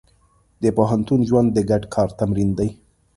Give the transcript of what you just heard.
د پوهنتون ژوند د ګډ کار تمرین دی.